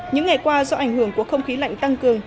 những ngày qua do ảnh hưởng của không khí lạnh tăng cường